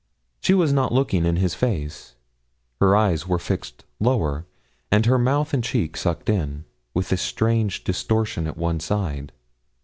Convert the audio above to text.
She was not looking in his face; her eyes were fixed lower, and her mouth and cheek sucked in, with a strange distortion at one side.